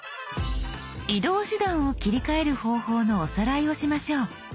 移動手段を切り替える方法のおさらいをしましょう。